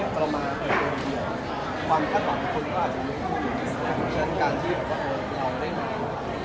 จากเทียบช่วงที่ต้องมีมากกว่าอีกช่วงไปซ้อมมีหลายอย่างที่อาจต้องไปซ้อมด้วย